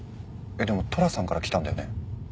でも寅さんから来たんだよね？